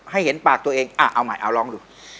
ให้เห็นปากตัวเองเอาใหม่เอาลองดู